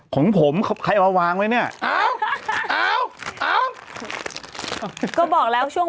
ของผมเอาไปทิ้ง